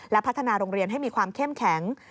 และพัฒนาโรงเรียนให้มีความเข้มแข็ง